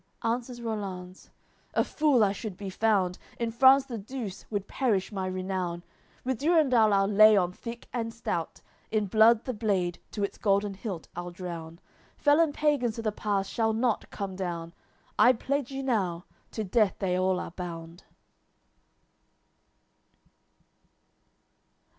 Answers Rollanz: "A fool I should be found; In France the Douce would perish my renown. With Durendal I'll lay on thick and stout, In blood the blade, to its golden hilt, I'll drown. Felon pagans to th' pass shall not come down; I pledge you now, to death they all are bound.